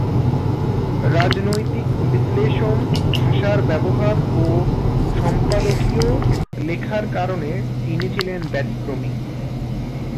রাজনৈতিক বিশ্লেষন, ভাষার ব্যবহার ও সম্পাদকীয় লেখার কারণে তিনি ছিলেন ব্যতিক্রমী।